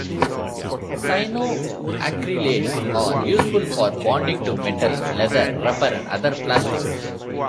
Cyanoacrylates are useful for bonding to metal, leather, rubber and other plastics.